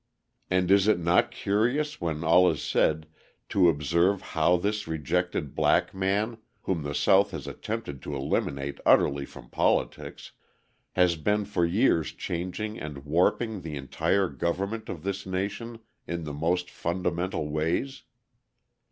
And is it not curious, when all is said, to observe how this rejected black man, whom the South has attempted to eliminate utterly from politics, has been for years changing and warping the entire government of this nation in the most fundamental ways!